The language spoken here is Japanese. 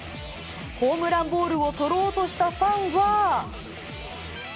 ホームランボールを捕ろうとしたファンは。